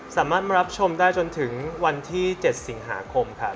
สามารถรับชมได้จนถึงวันที่๗สิงหาคมค่ะ